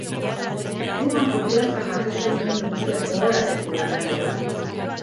Gugan konfidantza jarri zuen jende guztiaz gogoratzeko garaia da.